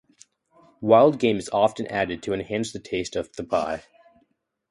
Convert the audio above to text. Wild game is often added to enhance the taste of the pie.